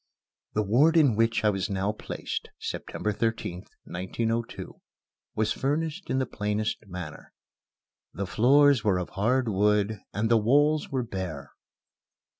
The ward in which I was now placed (September 13th, 1902) was furnished in the plainest manner. The floors were of hard wood and the walls were bare.